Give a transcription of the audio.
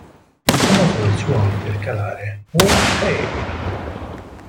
Famoso il suo intercalare "Oh-Tay!